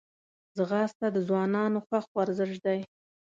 ځغاسته د ځوانانو خوښ ورزش دی